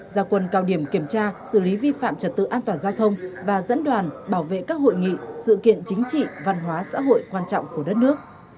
gia quân cao điểm kiểm tra xử lý vi phạm trật tự an toàn giao thông và dẫn đoàn bảo vệ các hội nghị sự kiện chính trị văn hóa xã hội quan trọng của đất nước